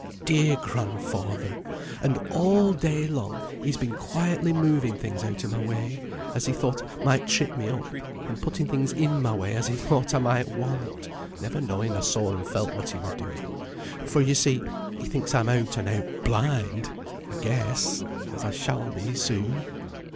Dear grandfather! and all day long he's been quietly moving things out o' my way, as he thought might trip me up, and putting things in my way, as he thought I might want; never knowing I saw and felt what he were doing; for, yo see, he thinks I'm out and out blind, I guess as I shall be soon."